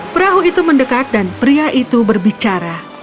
perahu itu mendekat dan pria itu berbicara